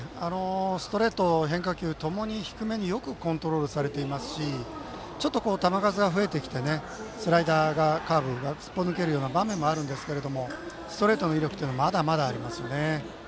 ストレート、変化球ともに低めによくコントロールされていますしちょっと球数が増えてきてスライダー、カーブがすっぽ抜ける場面もありますがストレートの威力はまだまだありますよね。